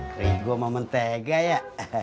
kerigo sama mentega ya